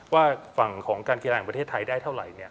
ว่าฝั่งของการกีฬาแห่งประเทศไทยได้เท่าไหร่